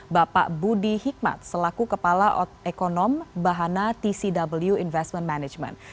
bapak budi hikmat selaku kepala ekonom bahana tcw investment management